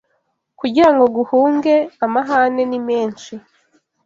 Kugira ngo nguhunge Amahane ni menshi